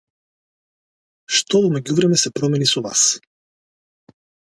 Што во меѓувреме се промени во вас?